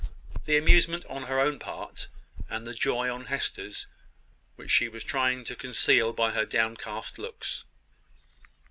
the amusement on her own part, and the joy on Hester's, which she was trying to conceal by her downcast looks!